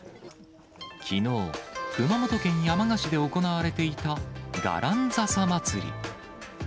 きのう、熊本県山鹿市で行われていたガランザサ祭り。